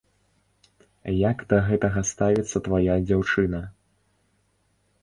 Як да гэтага ставіцца твая дзяўчына?